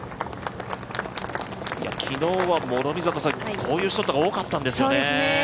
昨日はこういうショットが多かったんですよね。